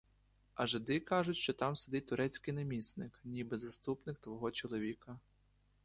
А жиди кажуть, що там сидить турецький намісник, ніби заступник твого чоловіка.